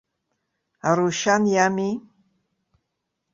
Арушьан иами.